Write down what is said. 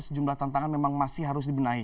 sejumlah tantangan memang masih harus dibenahi